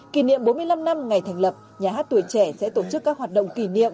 kỷ niệm bốn mươi năm năm ngày thành lập nhà hát tuổi trẻ sẽ tổ chức các hoạt động kỷ niệm